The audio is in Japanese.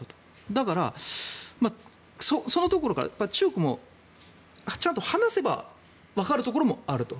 だから、そのところから中国もちゃんと話せばわかるところもあると。